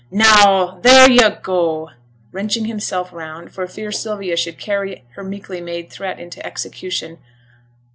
'Now, theere you go!' wrenching himself round, for fear Sylvia should carry her meekly made threat into execution.